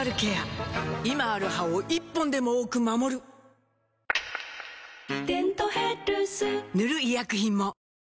今ある歯を１本でも多く守る「デントヘルス」塗る医薬品も